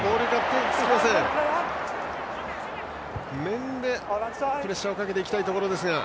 面でプレッシャーをかけていきたいところです。